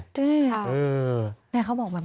ใช่นี่เขาบอกแบบนี้